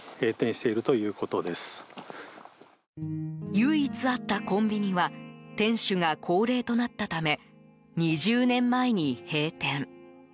唯一あったコンビニは店主が高齢となったため２０年前に閉店。